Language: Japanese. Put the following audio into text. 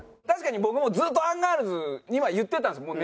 確かに僕もずっとアンガールズには言ってたんです。